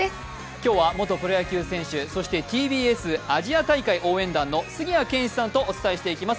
今日は元プロ野球選手、そしてＴＢＳアジア大会応援団の杉谷拳士さんとお伝えしていきます